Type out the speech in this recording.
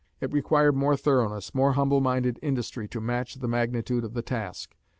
It required more thoroughness, more humble minded industry, to match the magnitude of the task.